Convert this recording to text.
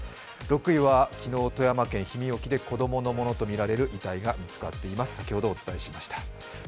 ６位は昨日富山県氷見沖で子供のものとみられる遺体が見つかっています。